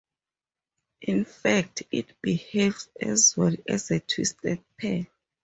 In fact, it behaves as well as a twisted pair.